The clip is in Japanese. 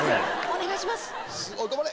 ・お願いします